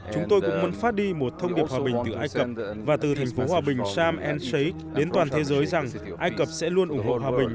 chúng tôi cũng muốn phát đi một thông điệp hòa bình từ ai cập và từ thành phố hòa bình sam ensky đến toàn thế giới rằng ai cập sẽ luôn ủng hộ hòa bình